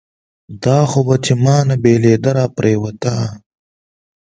دا خو بهٔ چې مانه بېلېده راپرېوته